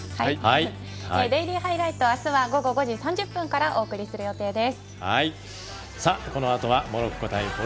「デイリーハイライト」明日は午後５時３０分からお送りする予定です。